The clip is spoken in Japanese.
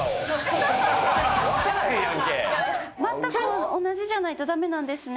まったく同じじゃないと駄目なんですね。